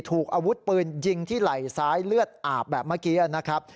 ถูกอาวุธปืนยิงที่ไหล่ซ้ายเลือดอาบแบบเมื่อกี้นะครับ